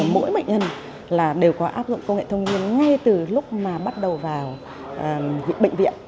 mỗi bệnh nhân đều có áp dụng công nghệ thông tin ngay từ lúc bắt đầu vào bệnh viện